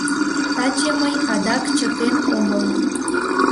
Таче мый адак чытен омыл...